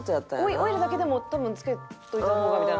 「オイルだけでもつけといた方が」みたいな。